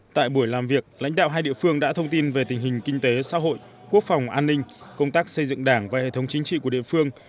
tại buổi làm việc lãnh đạo hai địa phương đã thông tin về tình hình kinh tế xã hội quốc phòng an ninh công tác xây dựng đảng và hệ thống chính trị của địa phương